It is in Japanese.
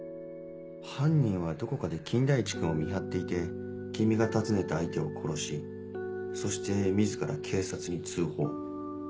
犯人はどこかで金田一君を見張っていて君が訪ねた相手を殺しそして自ら警察に通報。